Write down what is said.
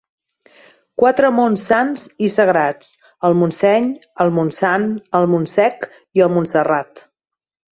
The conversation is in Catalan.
Quatre monts sants i sagrats: el Montseny, el Montsant, el Montsec i el Montserrat.